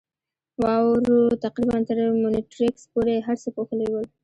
واورو تقریباً تر مونیټریکس پورې هر څه پوښلي ول.